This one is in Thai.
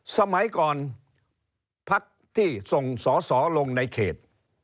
สมัยก่อนพักที่ส่งสอสอลงในเขต